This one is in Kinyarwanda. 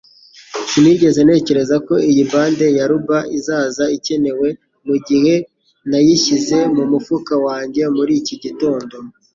Sinigeze ntekereza ko iyi bande ya rubber izaza ikenewe mugihe nayishyize mu mufuka wanjye muri iki gitondo.